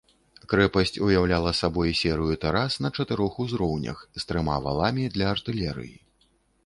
Крэпасць уяўляла сабой серыю тэрас на чатырох узроўнях, з трыма валамі для артылерыі.